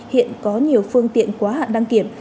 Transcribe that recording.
hiện có nhiều phương tiện quá hạn đăng kiểm